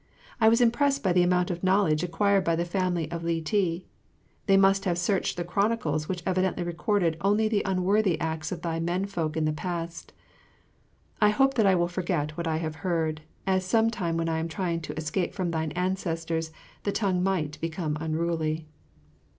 I was impressed by the amount of knowledge acquired by the family of Li ti. They must have searched the chronicles which evidently recorded only the unworthy acts of thy men folk in the past. I hope that I will forget what I have heard, as some time when I am trying to escape from thine ancestors the tongue might become unruly.